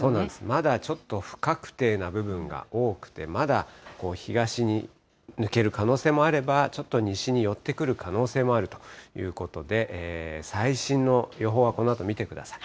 まだちょっと不確定な部分が多くて、まだ東に抜ける可能性もあれば、ちょっと西に寄ってくる可能性もあるということで、最新の予報はこのあと見てください。